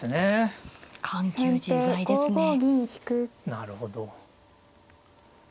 なるほど。